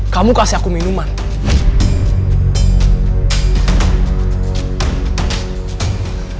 kamu kasih aku minuman